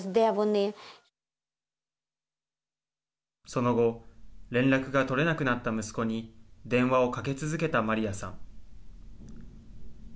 その後、連絡が取れなくなった息子に電話をかけ続けたマリアさん。